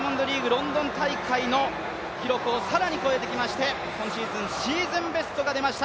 ロンドン大会の記録を更に超えてきまして、今シーズン、シーズンベストが出ました